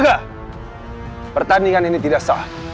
enggak pertandingan ini tidak sah